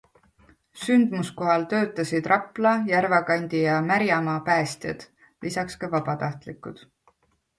Sündmuskohal töötasid Rapla, Järvakandi ja Märjamaa päästjad, lisaks ka vabatahtlikud.